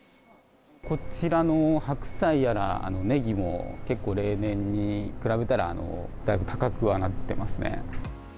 こちらの白菜やらネギも、結構、例年に比べたら、だいぶ高くはなってますね。